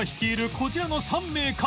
こちらの３名か？